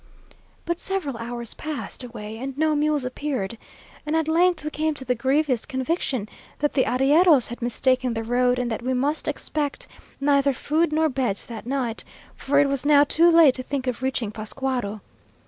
But several hours passed away, and no mules appeared; and at length we came to the grievous conviction that the arrieros had mistaken the road, and that we must expect neither food nor beds that night; for it was now too late to think of reaching Pascuaro.